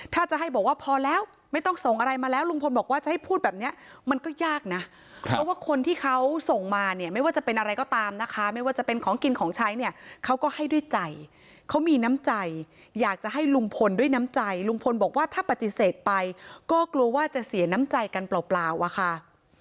ถ้าจะให้บอกว่าพอแล้วไม่ต้องส่งอะไรมาแล้วลุงพลบอกว่าจะให้พูดแบบนี้มันก็ยากนะเพราะว่าคนที่เขาส่งมาเนี่ยไม่ว่าจะเป็นอะไรก็ตามนะคะไม่ว่าจะเป็นของกินของใช้เนี่ยเขาก็ให้ด้วยใจเขามีน้ำใจอยากจะให้ลุงพลด้วยน้ำใจลุงพลบอกว่าถ้าปฏิเสธไปก็กลัวว่าจะเสียน้ำใจกันเปล่าอะค่ะ